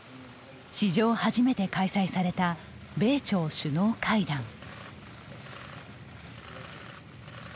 史上初めて開催された米朝首脳会談。